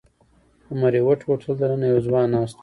د مریوټ هوټل دننه یو ځوان ناست و.